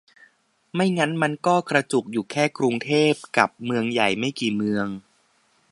ไม่งั้นมันก็กระจุกอยู่แค่กรุงเทพกับเมืองใหญ่ไม่กี่เมือง